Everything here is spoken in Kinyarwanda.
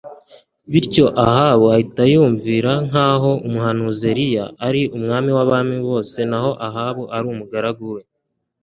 bityo umwami Ahabu ahita yumvira nkaho umuhanuzi Eliya ari umwami wabami naho Ahabu akaba umugaragu we